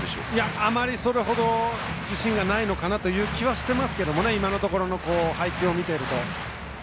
あまりそれほど自信がないのかなという気はしていますけどね、今のところの配球を見ていると。